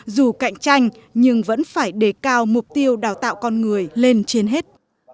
dù cạnh tranh nhưng vẫn phải đề cao mục tiêu đào tạo con người lên trên hết